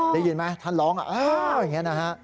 ได้ยินไหมท่านร้องอย่างนี้นะฮะ